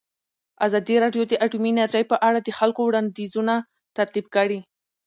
ازادي راډیو د اټومي انرژي په اړه د خلکو وړاندیزونه ترتیب کړي.